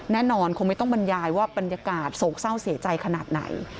แน่นอนคงไม่ต้องบรรยายว่าบรรยากาศโศกเศร้าเสียใจขนาดไหน